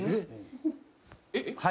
えっ！？